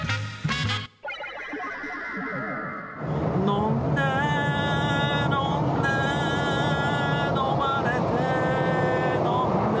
「飲んで飲んで飲まれて飲んで」